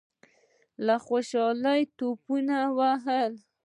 له خوشالۍ ټوپونه ووهل.